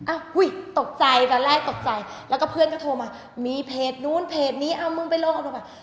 อุ้ยตกใจตอนแรกตกใจแล้วก็เพื่อนก็โทรมามีเพจนู้นเพจนี้เอามึงไปลงเอาลงไป